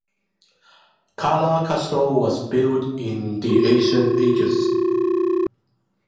Kara Castle was built in the ancient ages.